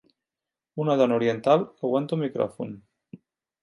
Un dona oriental aguanta un micròfon.